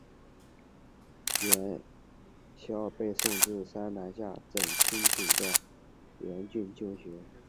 阮攸被送至山南下镇亲戚段阮俊就学。